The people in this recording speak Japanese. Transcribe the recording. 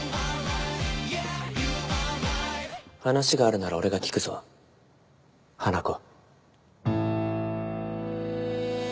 話があるなら俺が聞くぞ華子。